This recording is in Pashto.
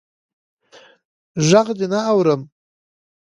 ږغ دي نه اورم.